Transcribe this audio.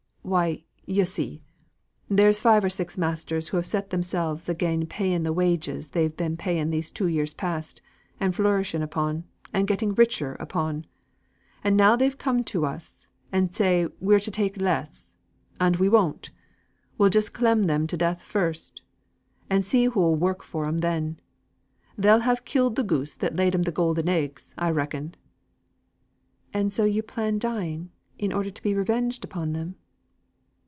"Why, yo see, there's five or six masters who have set themselves again paying the wages they've been paying these two years past, and flourishing upon, and getting richer upon. And now they come to us, and say we're to take less. And we won't. We'll just clem them to death first; and see who'll work for 'em then. They'll have killed the goose that laid 'em the golden eggs, I reckon." "And so you plan dying, in order to be revenged upon them!"